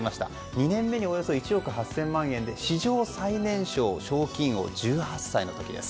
２年目で約１億８０００万円で史上最年少賞金王１８歳の時です。